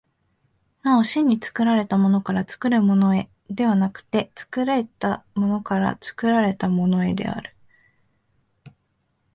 なお真に作られたものから作るものへではなくて、作られたものから作られたものへである。